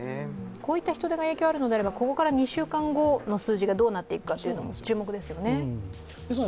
こういった人出が影響があるのであればこれから２週間後の数字も注目ですものね。